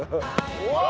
うわ！